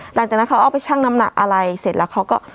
หลังจากนั้นเขาเอาไปชั่งน้ำหนักอะไรเสร็จแล้วเขาก็